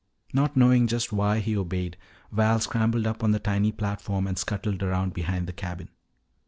Not knowing just why he obeyed, Val scrambled up on the tiny platform and scuttled around behind the cabin.